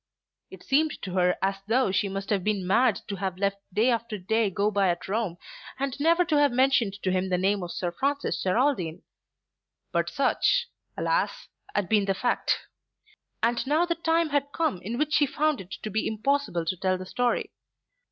It seemed to her as though she must have been mad to have let day after day go by at Rome and never to have mentioned to him the name of Sir Francis Geraldine. But such, alas! had been the fact. And now the time had come in which she found it to be impossible to tell the story.